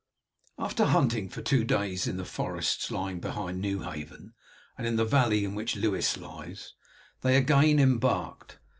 After hunting for two days in the forests lying behind Newhaven, and in the valley in which Lewes lies, they again embarked.